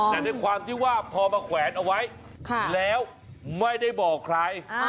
แต่ด้วยความที่ว่าพอมาแขวนเอาไว้แล้วไม่ได้บอกใคร